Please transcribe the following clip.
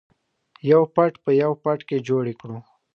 یو فټ په یو فټ کې جوړې کړو.